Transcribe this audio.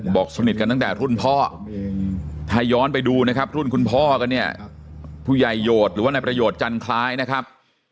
บอกสนิทกันตั้งแต่รุ่นพ่อถ้าย้อนไปดูนะครับรุ่นคุณพ่อกันเนี่ยผู้ใหญ่โหดหรือว่านายประโยชน์จันทรายนะครับ